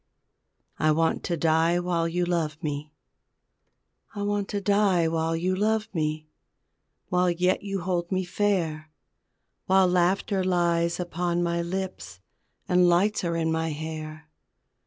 I WANT TO DIE WHILE YOU LOVE ME I want to die while you love me, While yet you hold me fair, While laughter lies upon my lips And lights are in my hair.